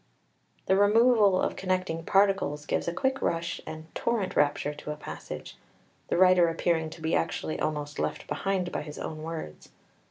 The removal of connecting particles gives a quick rush and "torrent rapture" to a passage, the writer appearing to be actually almost left behind by his own words.